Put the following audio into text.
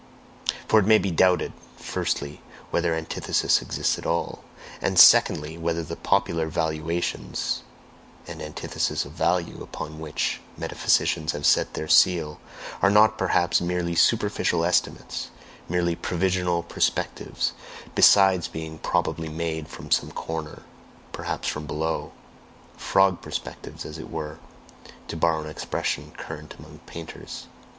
For it may be doubted, firstly, whether antitheses exist at all; and secondly, whether the popular valuations and antitheses of value upon which metaphysicians have set their seal, are not perhaps merely superficial estimates, merely provisional perspectives, besides being probably made from some corner, perhaps from below "frog perspectives," as it were, to borrow an expression current among painters.